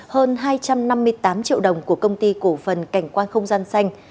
hơn hai trăm năm mươi tám triệu đồng của công ty cổ phần cảnh quan không gian xanh